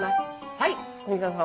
はい富澤さん。